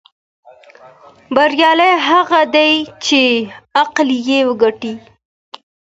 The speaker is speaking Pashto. بریالی هغه دی چې عقل یې وګټي.